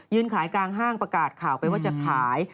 ขายกลางห้างประกาศข่าวไปว่าจะขาย